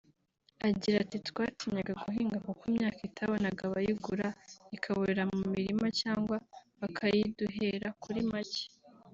Agira ati “Twatinyaga guhinga kuko imyaka itabonaga abayigura ikaborera mu mirima cyangwa bakayiduhera kuri make